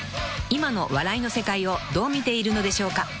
［今の笑いの世界をどう見ているのでしょうか？］